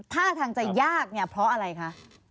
ท่าทางจะยากเนี่ยเพราะอะไรคะ